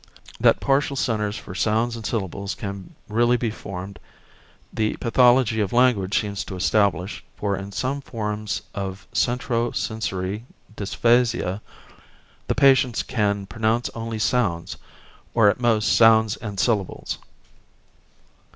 That partial centres for sounds and syllables can really be formed, the pathology of language seems to establish, for in some forms of centro sensory dysphasia, the patients can pronounce only sounds, or at most sounds and syllables.